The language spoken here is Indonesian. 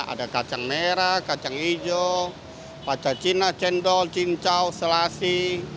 ada kacang merah kacang hijau paca cina cendol cincau selasi